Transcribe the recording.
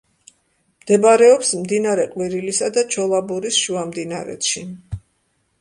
მდებარეობს მდინარე ყვირილისა და ჩოლაბურის შუამდინარეთში.